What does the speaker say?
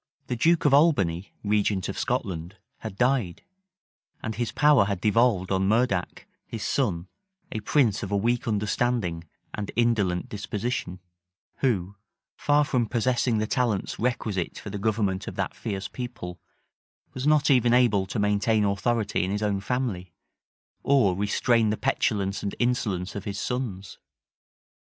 The duke of Albany, regent of Scotland, had died: and his power had devolved on Murdac, his son, a prince of a weak understanding and indolent disposition; who, far from possessing the talents requisite for the government of that fierce people, was not even able to maintain authority in his own family, or restrain the petulance and insolence of his sons.